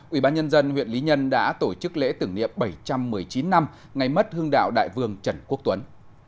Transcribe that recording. ủy ban nhân dân huyện lý nhân đã tổ chức lễ tưởng niệm bảy trăm một mươi chín năm ngày mất hương đạo đại vương trần quốc tuấn